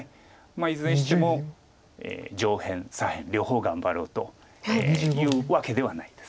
いずれにしても上辺左辺両方頑張ろうというわけではないです。